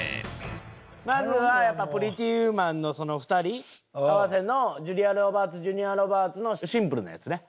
まずはやっぱ『プリティ・ウーマン』の２人合わせのジュリア・ロバーツジュリア・ロバーツのシンプルなやつね。